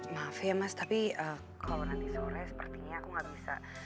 maaf ya mas tapi kalo nanti seorangnya sepertinya aku ga bisa